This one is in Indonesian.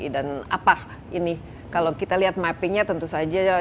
dan apa ini kalau kita lihat mappingnya tentu saja jauh